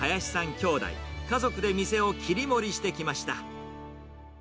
きょうだい、家族で店を切り盛りしてきました。